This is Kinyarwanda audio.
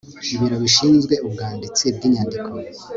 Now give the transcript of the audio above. ibiro bishinzwe ubwanditsi bw inyandiko